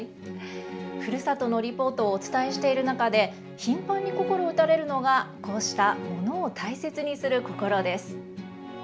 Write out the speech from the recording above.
ふるさとのリポートをお伝えしている中で頻繁に心打たれるのがこうしたものを大切にする心です。